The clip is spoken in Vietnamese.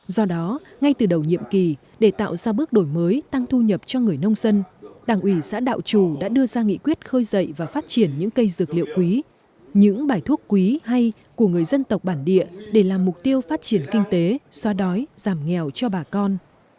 do đó ngay từ đầu nhiệm kỳ để tạo ra bước đổi mới tăng thu nhập cho người nông dân đảng ủy xã đạo chủ đã đưa ra nghị quyết khơi dậy và phát triển những cây dược liệu quý những bài thuốc quý hay của người dân tộc bản địa để làm mục tiêu phát triển kinh tế xoa đói giảm nghèo cho bà con